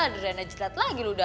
adriana jelat lagi luda